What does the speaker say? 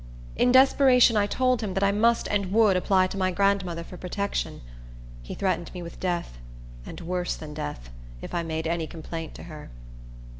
In desperation I told him that I must and would apply to my grandmother for protection. He threatened me with death, and worse than death, if I made any complaint to her.